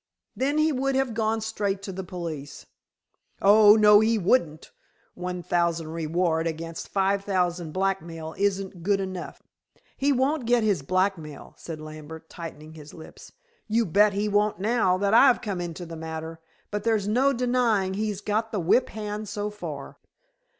"Then he would have gone straight to the police." "Oh, no he wouldn't. One thousand reward against twenty five thousand blackmail isn't good enough." "He won't get his blackmail," said Lambert, tightening his lips. "You bet he won't now that I've come into the matter. But there's no denying he's got the whip hand so far."